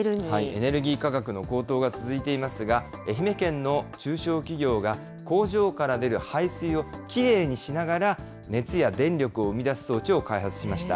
エネルギー価格の高騰が続いていますが、愛媛県の中小企業が、工場から出る排水をきれいにしながら、熱や電力を生み出す装置を開発しました。